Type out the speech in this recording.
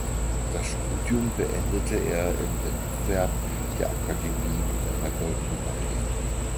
Das Studium beendete er im Wettbewerb der Akademie mit einer Goldmedaille.